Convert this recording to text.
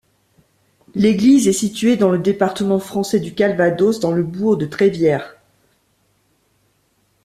L'église est située dans le département français du Calvados, dans le bourg de Trévières.